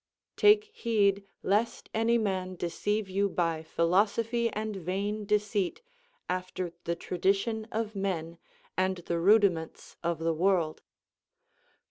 _ "Take heed, lest any man deceive you by philosophy and vain deceit, after the tradition of men, and the rudiments of the world."